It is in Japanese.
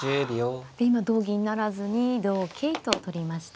で今同銀不成に同桂と取りました。